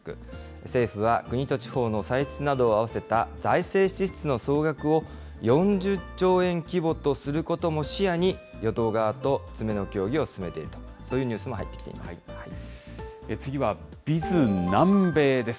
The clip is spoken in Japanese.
政府は国と地方の歳出などを合わせた財政支出の総額を、４０兆円規模とすることも視野に、与党側と詰めの協議を進めていると、そういうニュースも入ってき次はＢｉｚ南米です。